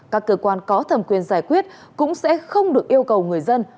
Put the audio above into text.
các cơ quan có thẩm quyền giải quyết cũng sẽ không được yêu cầu người dân